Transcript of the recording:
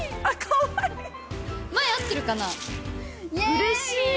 うれしい。